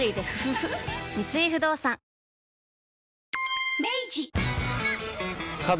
三井不動産家族